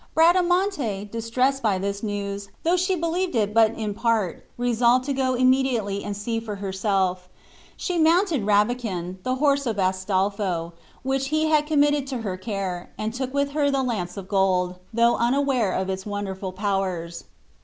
Bradamante, distressed by this news, though she believed it but in part, resolved to go immediately and see for herself. She mounted Rabican, the horse of Astolpho, which he had committed to her care, and took with her the lance of gold, though unaware of its wonderful powers.